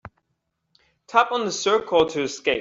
Tap on the circle to escape.